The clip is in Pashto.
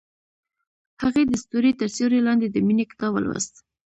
هغې د ستوري تر سیوري لاندې د مینې کتاب ولوست.